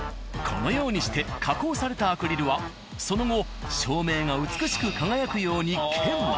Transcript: このようにして加工されたアクリルはその後照明が美しく輝くように研磨。